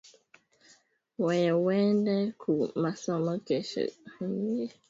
Weye wende ku masomo kesho njo tutenda kurima